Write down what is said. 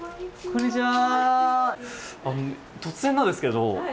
こんにちは。